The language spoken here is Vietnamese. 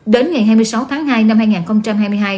đến ngày hai mươi sáu tháng hai năm hai nghìn hai mươi hai